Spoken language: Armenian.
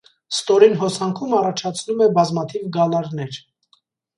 Ստորին հոսանքում առաջացնում է բազմաթիվ գալարներ։